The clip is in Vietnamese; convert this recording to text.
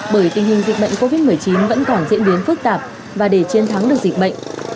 bởi tình hình dịch bệnh covid một mươi chín vẫn còn diễn biến phức tạp và để chiến thắng được dịch bệnh